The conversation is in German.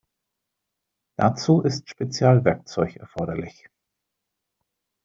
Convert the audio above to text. Dazu ist Spezialwerkzeug erforderlich.